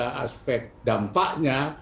dan juga aspek dampaknya